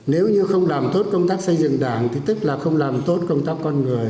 nếu như không làm tốt công tác xây dựng đảng thì tức là không làm tốt công tác con người